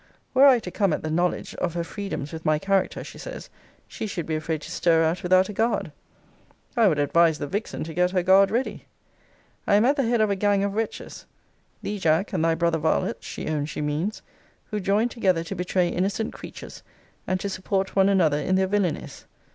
'Were I to come at the knowledge of her freedoms with my character,' she says, 'she should be afraid to stir out without a guard.' I would advise the vixen to get her guard ready. 'I am at the head of a gang of wretches,' [thee, Jack, and thy brother varlets, she owns she means,] 'who join together to betray innocent creatures, and to support one another in their villanies.'